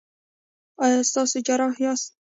ایا تاسو جراح یاست؟